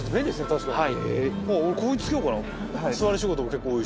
確かに。